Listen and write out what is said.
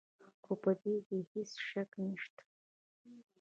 خو په دې کې هېڅ شک نشته.